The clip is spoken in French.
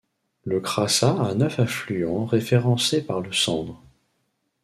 Le Crassat a neuf affluents référencés par le Sandre.